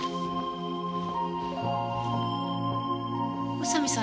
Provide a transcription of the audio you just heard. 宇佐見さん